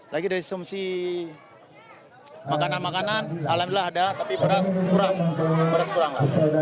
lagi dari sumsi makanan makanan alamnya ada tapi beras kurang